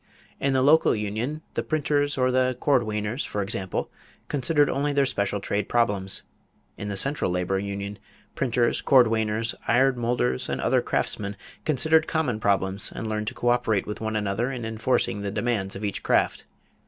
In the local union the printers or the cordwainers, for example, considered only their special trade problems. In the central labor union, printers, cordwainers, iron molders, and other craftsmen considered common problems and learned to coöperate with one another in enforcing the demands of each craft.